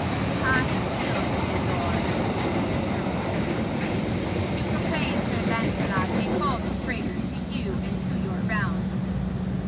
'I appeal to you, lord,' said Sir Mordred to the king, 'to proclaim Sir Lancelot a false traitor to you and to your realm.'